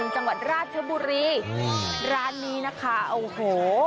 จังหวัดราชบุรีร้านนี้นะคะโอ้โห